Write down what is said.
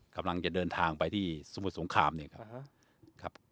กำลังจะเดินทางไปที่สมุทรสงครามเนี่ยครับ